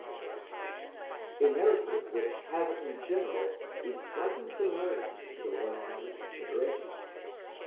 5); a narrative which has in general a striking similarity to the one under consideration.